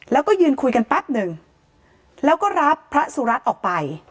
แล้วก็ยืนคุยกันแป๊บหนึ่งแล้วก็รับพระสุรัตน์ออกไป